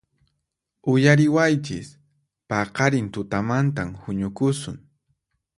¡Uyariwaychis! ¡Paqarin tutamantan huñukusun!